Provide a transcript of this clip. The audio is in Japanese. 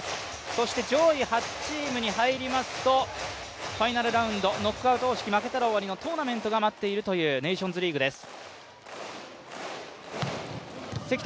そして上位８チームに入りますとファイナルラウンド、ノックアウト方式負けたら終わりのトーナメントが待っているというネーションズリーグです。